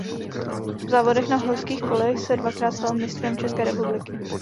V závodech na horských kolech se dvakrát stal mistrem České republiky.